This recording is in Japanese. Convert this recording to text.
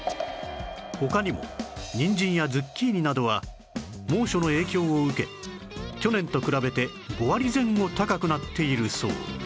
他にもにんじんやズッキーニなどは猛暑の影響を受け去年と比べて５割前後高くなっているそう